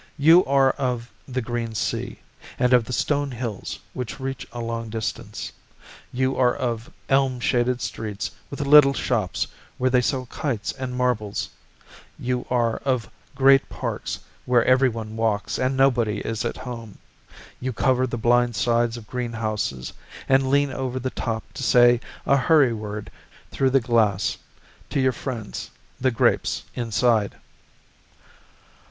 You are of the green sea, And of the stone hills which reach a long distance. You are of elm shaded streets with little shops where they sell kites and marbles, You are of great parks where every one walks and nobody is at home. You cover the blind sides of greenhouses And lean over the top to say a hurry word through the glass To your friends, the grapes, inside.